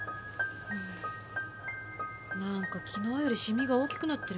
何か昨日より染みが大きくなってるみたい。